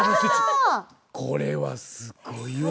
これはすごいわ。